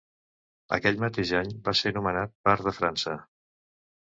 Aquell mateix any va ser nomenat par de França.